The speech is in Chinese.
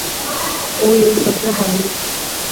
当然有时候沉没成本只是价格的一部分。